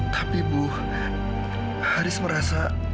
tapi bu haris merasa